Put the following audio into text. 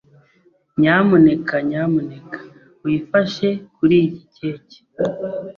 Nyamuneka nyamuneka wifashe kuriyi keke.